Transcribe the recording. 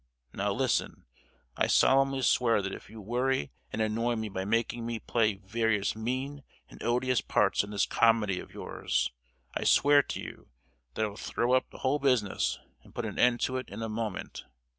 Now listen: I solemnly swear that if you worry and annoy me by making me play various mean and odious parts in this comedy of yours,—I swear to you that I will throw up the whole business and put an end to it in a moment.